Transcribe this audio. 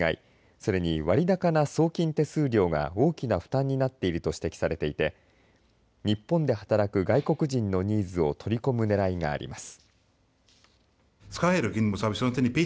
それに割高な送金手数料が大きな負担になっていると指摘されていて日本で働く外国人のニーズを取り込むねらいがあります。